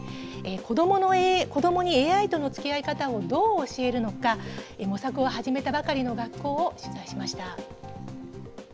子どもにＡＩとの付き合い方をどう教えるのか模索を始めたばかりの学校を取材しました。